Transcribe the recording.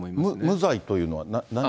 無罪というのは何？